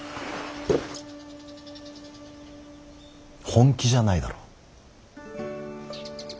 本気じゃないだろ。